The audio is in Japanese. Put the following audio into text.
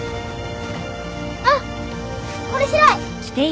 あっこれ白い！